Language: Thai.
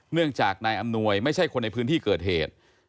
เนื่องจากนายอำนวยไม่ใช่คนในพื้นที่เกิดเหตุ